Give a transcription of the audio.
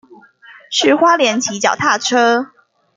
去花蓮騎腳踏車